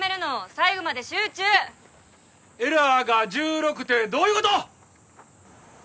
最後まで集中エラーが１６てどういうこと！？